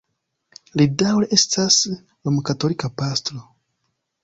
Li daŭre estas romkatolika pastro.